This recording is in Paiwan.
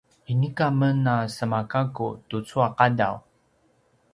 inika men a sema gakku tucu a qadaw